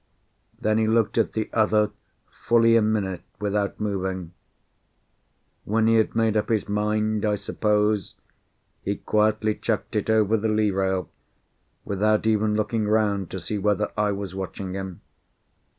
Then he looked at the other fully a minute without moving. When he had made up his mind, I suppose, he quietly chucked it over the lee rail, without even looking round to see whether I was watching him.